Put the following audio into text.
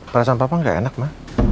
perasaan papa gak enak ma